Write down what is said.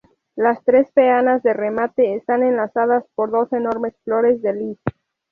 Las tres peanas de remate están enlazadas por dos enormes flores de lis.